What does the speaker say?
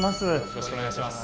よろしくお願いします。